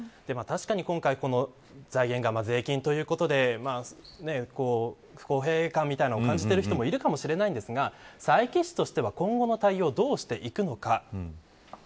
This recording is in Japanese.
確かに今回財源が税金ということで不公平感みたいなものを感じる人もいるかもしれませんが佐伯市としては今後の対応、どうしていくのか。